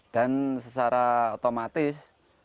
dan secara otomatis